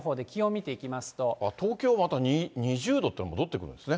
東京、また２０度って、戻ってくるんですね。